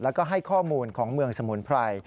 แล้วก็ให้ข้อมูลของเมืองสมุนไพร